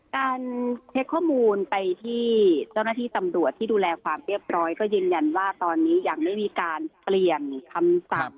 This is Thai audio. การเช็คข้อมูลไปที่เจ้าหน้าที่ตำรวจที่ดูแลความเรียบร้อยก็ยืนยันว่าตอนนี้ยังไม่มีการเปลี่ยนคำสั่ง